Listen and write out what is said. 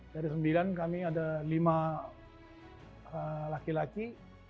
dari sembilan kami ada lima laki laki